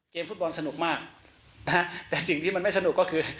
ฟุตบอลสนุกมากนะฮะแต่สิ่งที่มันไม่สนุกก็คือ